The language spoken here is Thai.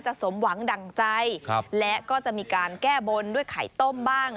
สมหวังดั่งใจและก็จะมีการแก้บนด้วยไข่ต้มบ้าง